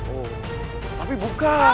oh tapi bukan